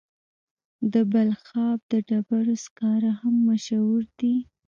د بلخاب د ډبرو سکاره هم مشهور دي.